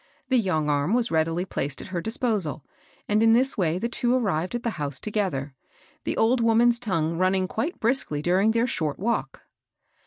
The young arm was readily placed at her disposal ; and in this way the two arrived at the house together, — the old wom an's tongue running quite briskly during their short walk.